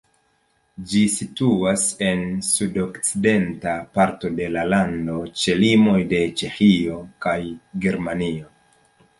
Ĝi situas en sudokcidenta parto de la lando ĉe limoj de Ĉeĥio kaj Germanio.